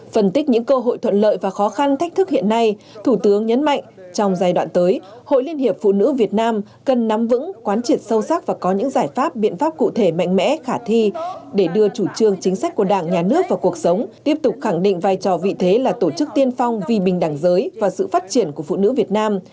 phân tích những cơ hội thuận lợi và khó khăn thách thức hiện nay thủ tướng nhấn mạnh trong giai đoạn tới hội liên hiệp phụ nữ việt nam cần nắm vững quán triệt sâu sắc và có những giải pháp biện pháp cụ thể mạnh mẽ khả thi để đưa chủ trương chính sách của đảng nhà nước vào cuộc sống tiếp tục khẳng định vai trò vị thế là tổ chức tiên phong vì bình đẳng giới và sự phát triển của phụ nữ việt nam